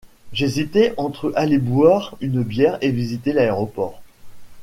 J’hésitais entre aller boire une bière et visiter l’aéroport.